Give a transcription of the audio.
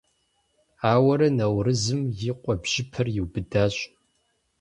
Ауэрэ Наурыз и къуэм бжьыпэр иубыдащ.